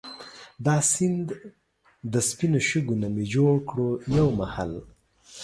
دا سیند دا سپينو شګو نه مي جوړ کړو يو محل